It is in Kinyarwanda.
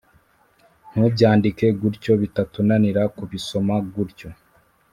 ntubyandike gutyo bitatunanira kubisoma. gutyo